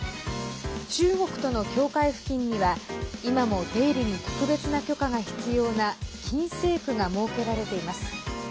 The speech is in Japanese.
中国との境界付近には今も出入りに特別な許可が必要な禁制区が設けられています。